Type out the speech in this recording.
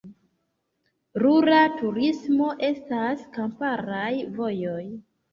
Rura turismo: estas kamparaj vojoj.